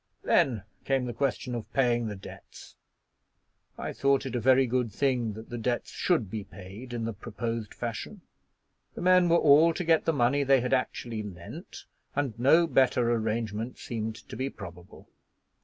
Then came the question of paying the debts. I thought it a very good thing that the debts should be payed in the proposed fashion. The men were all to get the money they had actually lent, and no better arrangement seemed to be probable.